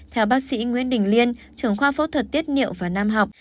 theo bác sĩ nguyễn đình liên trưởng khoa phẫu thuật tiết niệu và nam học